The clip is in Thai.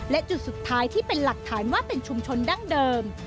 และจุดสุดท้ายที่เป็นหลักฐานว่าเป็นชุมชนดั้งเดิม